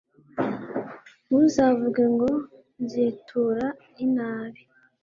ntuzavuge ngo nzitura inabi